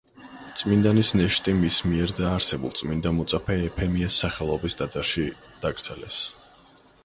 წმინდანის ნეშტი მის მიერვე დაარსებულ, წმინდა მოწამე ეფემიას სახელობის ტაძარში დაკრძალეს.